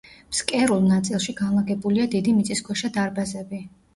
ფსკერულ ნაწილში განლაგებულია დიდი მიწისქვეშა დარბაზები.